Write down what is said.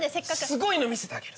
すごいの見せてあげる。